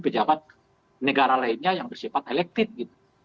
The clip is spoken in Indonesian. dan negara lainnya yang bersifat elektif gitu